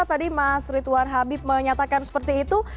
tadi mas rituan habib menyatakan seperti itu